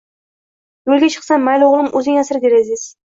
Yulga chiqsam “Mayli uglim Uzing asra” der ediz